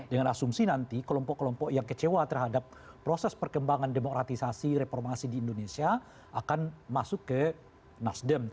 dengan asumsi nanti kelompok kelompok yang kecewa terhadap proses perkembangan demokratisasi reformasi di indonesia akan masuk ke nasdem